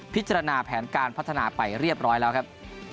พิจารณาแผนการพัฒนาไปเรียบร้อยแล้วครับ